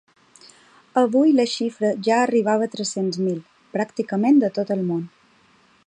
Avui la xifra ja arribava a tres-cents mil, pràcticament de tot el món.